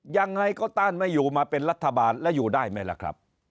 ยังไงก็ต้านไม่อยู่มาเป็นรัฐบาลแล้วอยู่ได้ไหมล่ะครับ